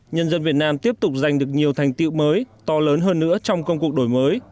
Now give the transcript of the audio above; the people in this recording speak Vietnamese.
nhân dân việt nam tiếp tục giành được nhiều thành tiệu mới to lớn hơn nữa trong công cuộc đổi mới